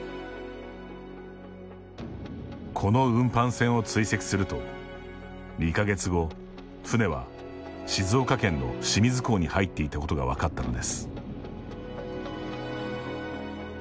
この運搬船を追跡すると２か月後、船は静岡県の清水港に入っていたことが分かったのです。